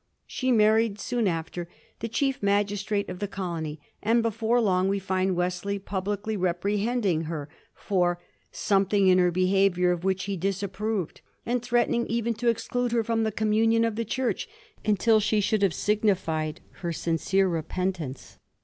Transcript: She married, soon after, the chief magistrate of the colony, and before long we find Wesley publicly reprehending her for " something in her behavior of which he disapproved," and threatening even to exclude her from the communion of the Church until she should have signified her sincere repentance.